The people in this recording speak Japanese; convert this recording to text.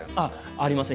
ありますね。